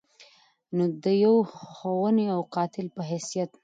نو د يو خوني او قاتل په حېث